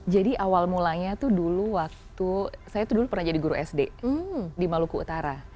jadi awal mulanya tuh dulu waktu saya tuh dulu pernah jadi guru sd di maluku utara